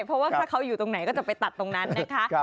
เพราะว่าถ้าเขาอยู่ตรงไหนก็จะไปตัดตรงนั้นนะคะ